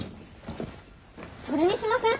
それにしません？